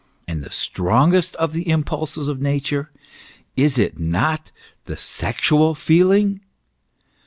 And the strongest of the impulses of Nature, is it not the sexual feeling